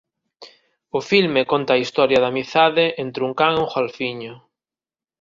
O filme conta a historia de amizade entre un can e un golfiño.